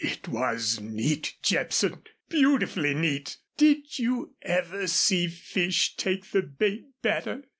"It was neat, Jepson, beautifully neat. Did you ever see fish take the bait better?